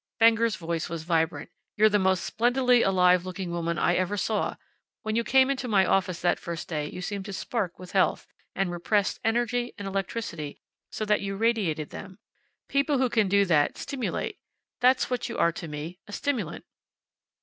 Fenger's voice was vibrant. "You're the most splendidly alive looking woman I ever saw. When you came into my office that first day you seemed to spark with health, and repressed energy, and electricity, so that you radiated them. People who can do that, stimulate. That's what you are to me a stimulant."